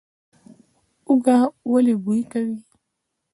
هوږه ولې بوی کوي؟